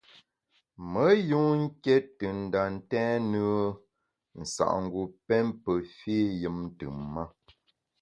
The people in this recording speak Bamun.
Me yun nké te nda ntèn nùe nsa’ngu pém pe fî yùm ntùm-ma.